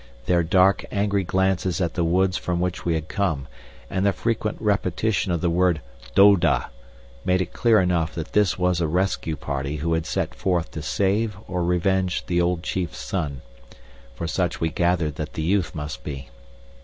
Their dark, angry glances at the woods from which we had come, and the frequent repetition of the word "Doda," made it clear enough that this was a rescue party who had set forth to save or revenge the old chief's son, for such we gathered that the youth must be.